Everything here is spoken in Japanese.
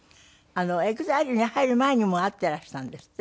ＥＸＩＬＥに入る前にもう会っていらしたんですって？